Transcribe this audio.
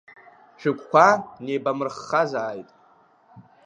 Шәыгәқәа неибамырхазааит!